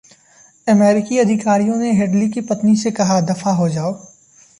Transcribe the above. अमेरिकी अधिकारियों ने हेडली की पत्नी से कहा, ‘दफा हो जाओ’